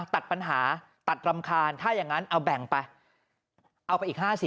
ตัดปัญหาตัดรำคาญถ้าอย่างนั้นแบ่งไป